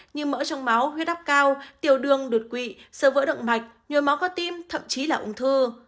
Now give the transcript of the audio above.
như mỡ trong máu huyết áp cao tiểu đường đột quỵ sơ vỡ động mạch nhồi máu cơ tim thậm chí là ung thư